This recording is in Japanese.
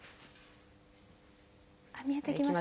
見えてきました。